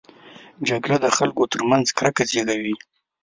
جګړه د خلکو ترمنځ کرکه زېږوي